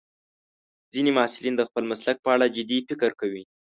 ځینې محصلین د خپل مسلک په اړه جدي فکر کوي.